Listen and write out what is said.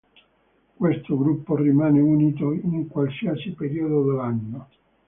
Questo gruppo rimane unito in qualsiasi periodo dell'anno.